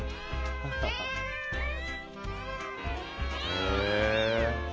へえ。